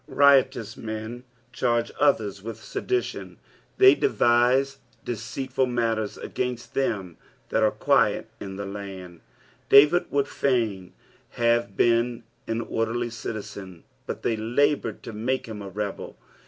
Riotous men charge others with sedition. " Tliey d erine deceitful matter* agaiit^ them tliat are qaut in the land." David would f;iin have been an orderly citizen, but they laboured to make hira a rebel.